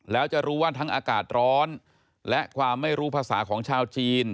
แล้วจะรู้ว่าทั้งอากาศร้อนและความไม่รู้ภาษาของชาวจีน